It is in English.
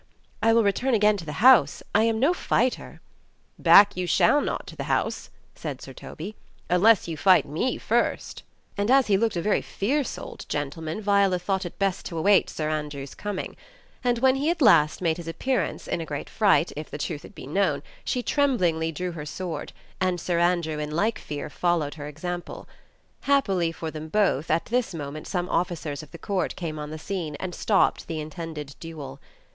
63 "I will return again to the house, I am no fighter/' "Back you shall not to the house/' said Sir Toby, "unless you fight me first/' And as he looked a very fierce old gentleman, Viola thought it best to await Sir Andrew's coming; and when he at last made his appearance, in a great fright, if the truth had been known, she trem blingly drew her sword, and Sir Andrew in like fear followed hei example. Happily for them both, at this moment some officers ol the Court came on the scene, and stopped the intended duel.